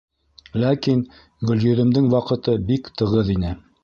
Ләкин Гөлйөҙөмдөң ваҡыты бик тығыҙ ине.